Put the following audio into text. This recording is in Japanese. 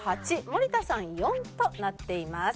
８森田さん４となっています。